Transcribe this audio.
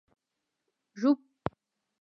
ږوب